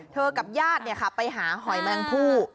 เธอกับญาติไปหาหอยแมงพู